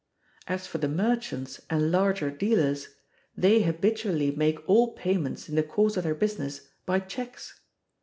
As for the merchants and larger dealers, they habitually make all payments in the course of their business by checks.